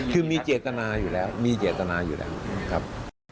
คือมีเจตนาอยู่แล้วมีเจตนาอยู่แล้วครับ